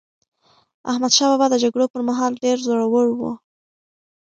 احمدشاه بابا د جګړو پر مهال ډېر زړور و.